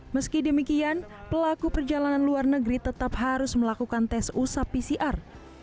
meski demikian pelaku perjalanan luar negeri tetap harus melakukan tes usap pcr